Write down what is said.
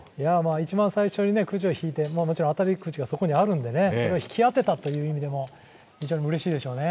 一番最初にくじを引いて、当たりくじがそこにあるんでね、それを引き当てたという意味でも非常にうれしいでしょうね。